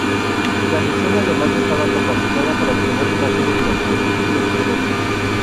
La misión además estaba capacitada para obtener imágenes de la superficie del planeta.